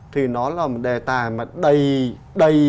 thì nó là một đề tài mà đầy